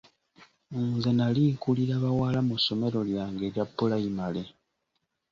Nze nali nkulira bawala mu ssomero lyange erya pulayimale.